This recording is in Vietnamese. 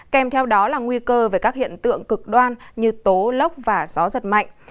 kèm theo đó là nguy cơ về các hiện tượng cực đoan như tố lốc và gió giật mạnh